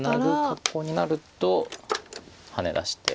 格好になるとハネ出して。